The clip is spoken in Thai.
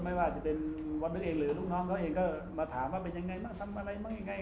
ไม่ว่าจะเป็นวันนั้นเองหรือลูกน้องเขาเองก็มาถามว่าเป็นยังไงบ้างทำอะไรบ้างยังไง